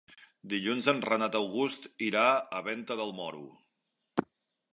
Dilluns en Renat August irà a Venta del Moro.